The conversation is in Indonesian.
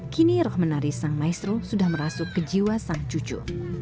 kini roh menari sang maestro sudah merasuk ke jiwa sang cucu